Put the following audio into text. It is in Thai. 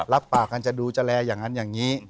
รับปากกันจะดูแลอย่างนั้นอย่างนี้